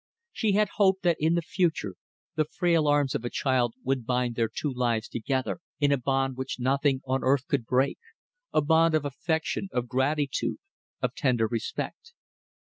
She had hoped that in the future the frail arms of a child would bind their two lives together in a bond which nothing on earth could break, a bond of affection, of gratitude, of tender respect.